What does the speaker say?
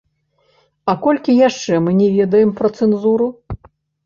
А колькі яшчэ мы не ведаем пра цэнзуру?